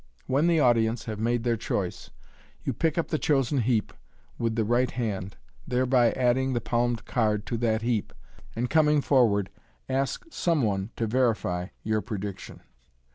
When the audience have made their choice, you pick up the chosen heap with the right hand, thereby adding the palmed card to that heap, and, coming forward, ask some one to verify your prediction.